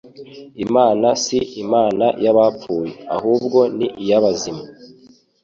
Imana si Imana y'abapfuye ahubwo ni iy'abazima.»